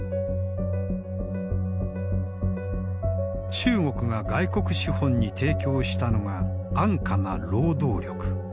中国が外国資本に提供したのが安価な労働力。